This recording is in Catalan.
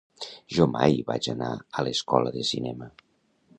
Jo mai vaig anar a l'escola de cinema.